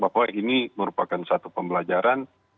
bahwa ini merupakan satu pembelajaran